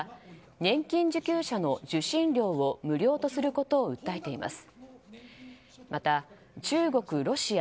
年金受給者の受信料を無料とすることを訴えています。